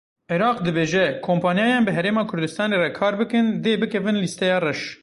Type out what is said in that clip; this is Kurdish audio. Iraq dibêje; Kompanyayên bi Herêma Kurdistanê re kar bikin dê bikevin lîsteya reş.